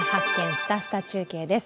すたすた中継」です。